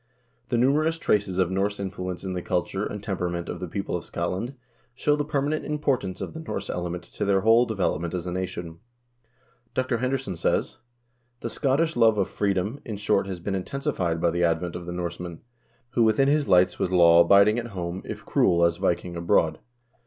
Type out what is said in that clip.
The numerous traces of Norse influence in the culture and temperament of the people of Scotland show the permanent importance of the Norse element to their whole development as a nation. Dr. Henderson says :" The Scottish love of freedom, in short, has been intensified by the advent of the Norseman, who within his lights was law abid ing at home if cruel as Viking abroad."